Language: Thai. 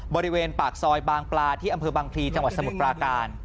บริเวณปากซอยบางปลาที่อำเภอบางพลีจังหวัดสมุทรปราการ